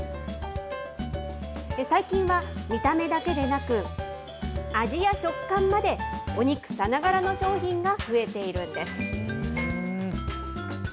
最近は見た目だけでなく、味や食感までお肉さながらの商品が増えているんです。